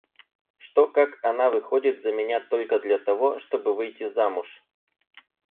Что как она выходит за меня только для того, чтобы выйти замуж?